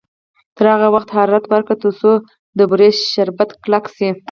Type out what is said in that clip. تر هغه وخته حرارت ورکړئ تر څو د بورې شربت کلک شي.